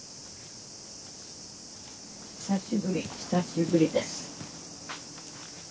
久しぶり久しぶりです。